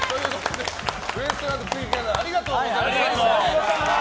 ウエストランド、空気階段ありがとうございました。